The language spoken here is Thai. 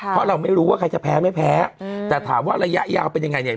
เพราะเราไม่รู้ว่าใครจะแพ้ไม่แพ้แต่ถามว่าระยะยาวเป็นยังไงเนี่ย